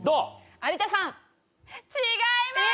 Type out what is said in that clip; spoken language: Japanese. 有田さん違います！